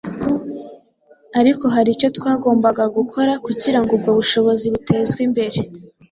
ariko hari icyo twagombaga gukora kugirango ubwo bushobozi butezwe imbere.